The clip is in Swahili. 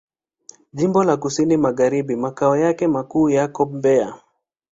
Jimbo la Kusini Magharibi Makao yake makuu yako Mbeya.